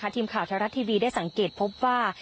ทีมข่าวแท้รัฐทีวีได้สังเกตพบว่า